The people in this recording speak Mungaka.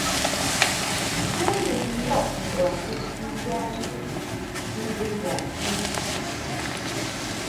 Bo ni ndɔʼ ŋgwafɨd njamɨ njub ghaʼbi.